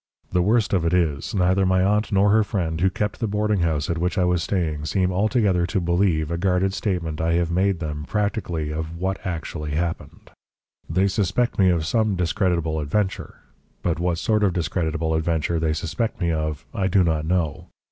The worst of it is, neither my aunt nor her friend who kept the boarding house at which I was staying seem altogether to believe a guarded statement I have made them practically of what actually happened. They suspect me of some discreditable adventure, but what sort of discreditable adventure they suspect me of, I do not know.